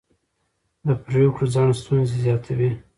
د پرېکړو ځنډ ستونزې زیاتوي